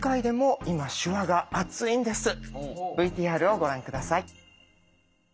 ＶＴＲをご覧下さい。